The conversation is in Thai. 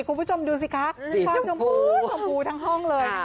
คุณผู้ชมดูสิคะสีชมพูสีชมพูทั้งห้องเลย